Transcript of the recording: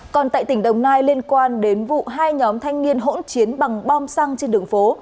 còn tại tỉnh đồng nai liên quan đến vụ hai nhóm thanh niên hỗn chiến bằng bom xăng trên đường phố